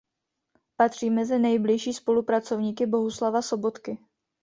Patří mezi nejbližší spolupracovníky Bohuslava Sobotky.